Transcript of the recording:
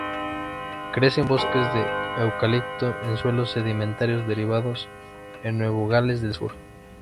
Crece en bosques de eucaliptos en suelos sedimentarios derivados, en Nueva Gales del Sur.